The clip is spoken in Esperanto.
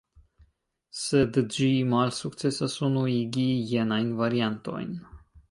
Sed ĝi malsukcesas unuigi jenajn variantojn.